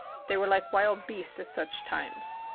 They were like wild beasts at such times.